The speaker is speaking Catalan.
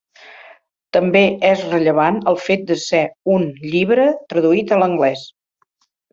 També és rellevant el fet de ser un llibre traduït a l'anglès.